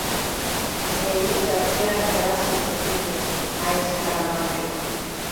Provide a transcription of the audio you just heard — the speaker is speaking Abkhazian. Ари аҩыза арҿиара, ҳәарас иаҭахузеи, аизҳара маҷуп.